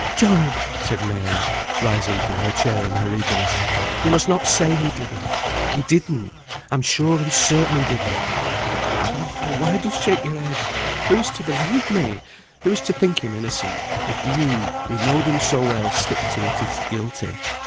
"Job!" said Mary, rising from her chair in her eagerness, "you must not say he did it. He didn't; I'm sure and certain he didn't. Oh! why do you shake your head? Who is to believe me, who is to think him innocent, if you, who know'd him so well, stick to it he's guilty?"